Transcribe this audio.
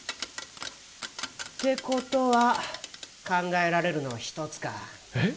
てことは考えられるのは１つかえっ？